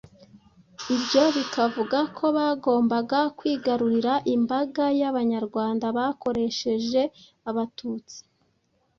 ibyo bikavuga ko bagombaga kwigarurira imbaga y'Abanyarwanda bakoresheje Abatutsi.